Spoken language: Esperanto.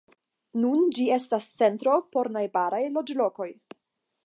Nun ĝi estas centro por najbaraj loĝlokoj.